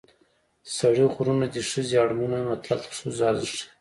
سړي غرونه دي ښځې اړمونه متل د ښځو ارزښت ښيي